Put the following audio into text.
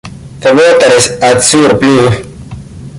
The water is azure blue.